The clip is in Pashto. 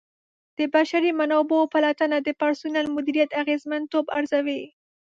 د بشري منابعو پلټنه د پرسونل مدیریت اغیزمنتوب ارزوي.